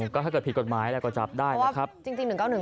ก็ถ้าเกิดผิดกฎหมายแล้วก็จับได้นะครับจริง๑๙๑